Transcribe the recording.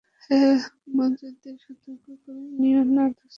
হ্যাঁ, মাছদের সতর্ক করে দিও না, দোস্ত।